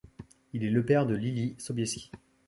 Il est le père de Leelee Sobieski.